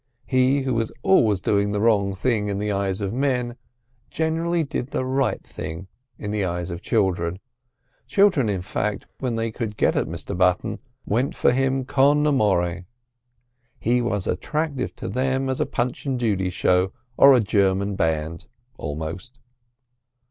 He who was always doing the wrong thing in the eyes of men, generally did the right thing in the eyes of children. Children, in fact, when they could get at Mr Button, went for him con amore. He was as attractive to them as a Punch and Judy show or a German band—almost.